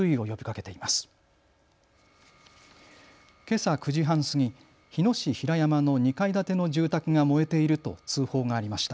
けさ９時半過ぎ、日野市平山の２階建ての住宅が燃えていると通報がありました。